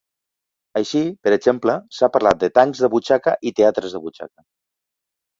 Així, per exemple, s'ha parlat de tancs de butxaca i teatres de butxaca.